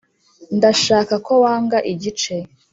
ndashaka ko wanga igice